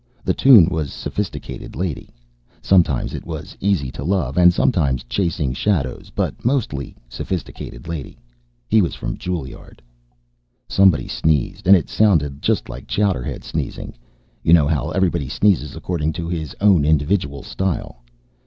The tune was Sophisticated Lady. Sometimes it was Easy to Love and sometimes Chasing Shadows, but mostly Sophisticated Lady. He was from Juilliard. Somebody sneezed, and it sounded just like Chowderhead sneezing. You know how everybody sneezes according to his own individual style?